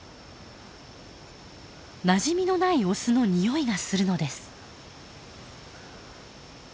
なじみのないオスのにおいがするのです。